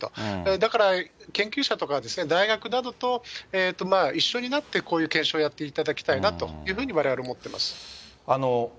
だから、研究者とか大学などと一緒になって、こういう検証をやっていただきたいなとわれわれ、思ってます。